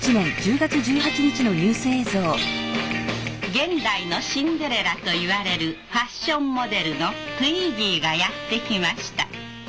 現代のシンデレラといわれるファッションモデルのツイッギーがやってきました。